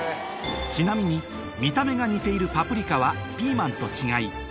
ちなみに見た目が似ているパプリカはピーマンと違い